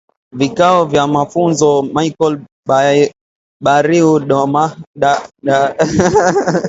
vikao vya mafunzo Michael Baariu Dabasso Barako Changayo Orkhobeshe Ehele Haile Stephen Mutahi Boku